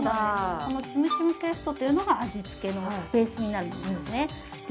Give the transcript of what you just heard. このチムチュムペーストというのが味付けのベースになるんですねで